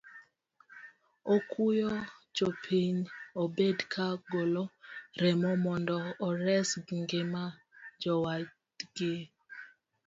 Okuayo jopiny obed ka golo remo mondo ores ngima jowadgi.